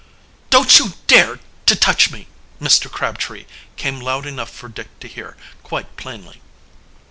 "Don't you dare to touch me, Mr. Crabtree!" came loud enough for Dick to hear quite, plainly.